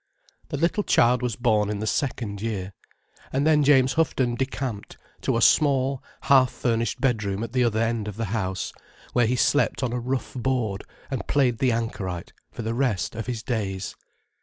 The little child was born in the second year. And then James Houghton decamped to a small, half furnished bedroom at the other end of the house, where he slept on a rough board and played the anchorite for the rest of his days.